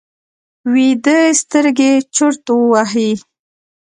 ویده سترګې چورت وهي